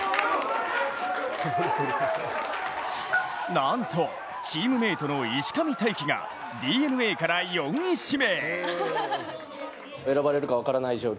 なんとチームメイトの石上泰輝がＤｅＮＡから４位指名。